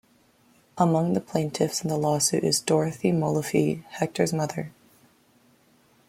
Among the plaintiffs in the lawsuit is Dorothy Molefi, Hector's mother.